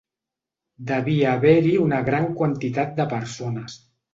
Devia haver-hi una gran quantitat de persones